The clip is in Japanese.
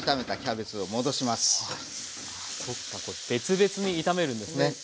別々に炒めるんですね。